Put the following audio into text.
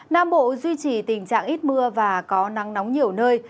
nam bộ duy trì tình trạng ít mưa và có nắng nóng nhiều nơi